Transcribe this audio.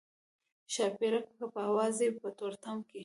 ښاپیرک که په هوا ځي په تورتم کې.